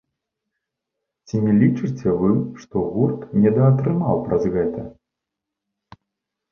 Ці не лічыце вы, што гурт недаатрымаў праз гэта?